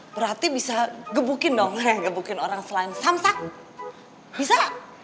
berarti bisa gebukin dong gebukin orang selain samsak bisa